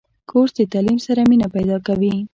کورس د تعلیم سره مینه پیدا کوي.